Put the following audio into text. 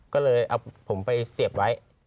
ก็เลยเอาผมไปเสียบไว้